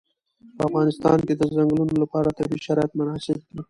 په افغانستان کې د ځنګلونه لپاره طبیعي شرایط مناسب دي.